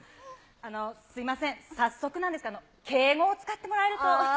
あの、すみません、さっそくなんですが、敬語を使ってもらえると。